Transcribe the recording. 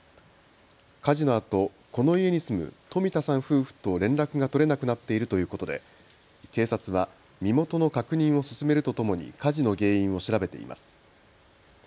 火事のあと、この家に住む冨田さん夫婦と連絡が取れなくなっているということで警察は身元の確認を進めるとともに火事の原因を調べています。